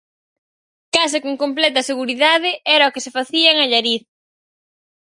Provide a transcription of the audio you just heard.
Case con completa seguridade era o que se facía en Allariz.